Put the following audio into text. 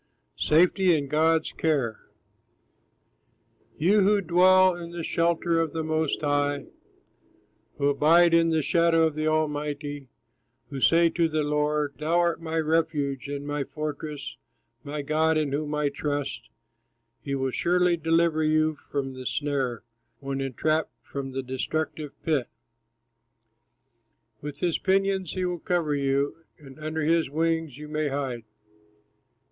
SAFETY IN GOD'S CARE You who dwell in the shelter of the Most High, Who abide in the shadow of the Almighty, Who say to the Lord, "Thou art my refuge, And my fortress, my God in whom I trust," He will surely deliver you from the snare, When entrapped from the destructive pit. With his pinions he will cover you, And under his wings you may hide.